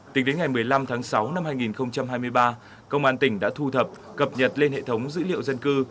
tính đến ngày một mươi năm tháng sáu năm hai nghìn hai mươi ba công an tỉnh đã thu thập cập nhật lên hệ thống dữ liệu dân cư